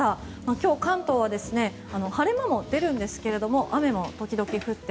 今日、関東は晴れ間も出るんですけれども雨も時々降って